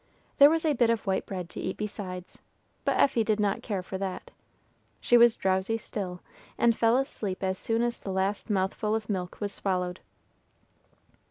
There was a bit of white bread to eat besides, but Effie did not care for that. She was drowsy still, and fell asleep as soon as the last mouthful of milk was swallowed.